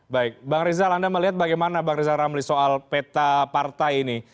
baik bang rizal anda melihat bagaimana bang rizal ramli soal peta partai ini